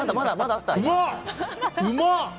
うまっ！